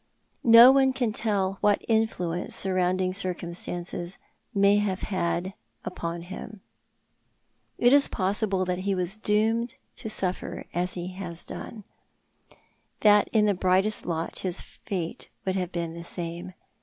No one can tell what influence surrounding circumstances may have had upon hitn. It is possible that he was doomed to suffer as he has done — that in the brightest lot his fate would have been the same.